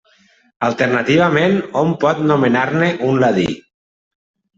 Alternativament hom pot nomenar-ne un ladí.